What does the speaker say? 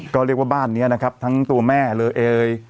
ก็เรียกว่าบ้านนี้นะครับทั้งตัวแม่เลอเอย